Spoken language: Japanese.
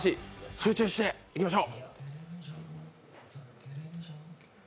集中していきましょう。